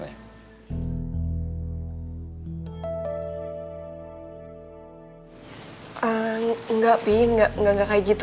iya sayang kenapa gak naik motor aja kamu gak suka naik motor